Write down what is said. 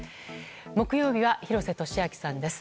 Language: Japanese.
木曜日は廣瀬俊朗さんです。